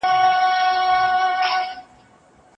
د نورو په حق کي بې انصافي مه کوئ.